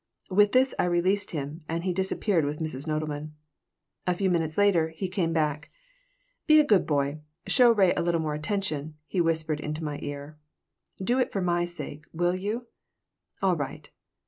With this I released him and he disappeared with Mrs. Nodelman A few minutes later he came back "Be a good boy. Show Ray a little more attention," he whispered into my ear. "Do it for my sake. Will you?" "All right."